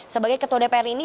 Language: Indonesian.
sebagai ketua dpr ini